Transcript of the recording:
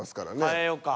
変えよか。